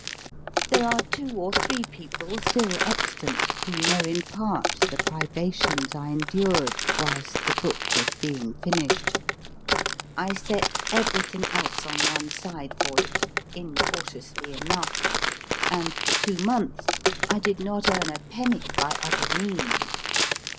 There are two or three people still extant who know in part the priva tions I endured whilst the book was being finished. I set every thing else on one side for it, incautiously enough, and for two months I did not earn a penny by other means.